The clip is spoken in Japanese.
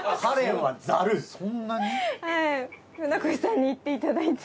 はい船越さんに言っていただいて。